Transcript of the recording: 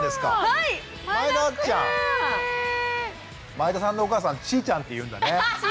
前田さんのお母さんチーちゃんっていうんだね。